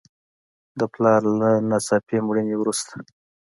د پلار له ناڅاپي مړینې وروسته.